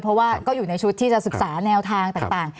เพราะว่าก็อยู่ในชุดที่จะศึกษาแนวทางต่าง